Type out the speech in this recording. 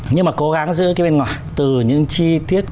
nhưng mà cố gắng giữ cái bên ngoài